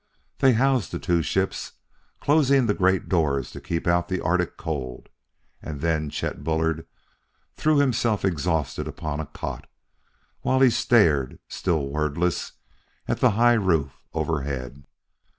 They housed the two ships, closing the great doors to keep out the arctic cold; and then Chet Bullard threw himself exhausted upon a cot, while he stared, still wordless, at the high roof overhead.